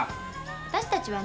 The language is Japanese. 私たちはね